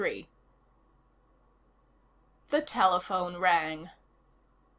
3 The telephone rang.